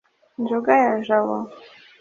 njuga ya jabo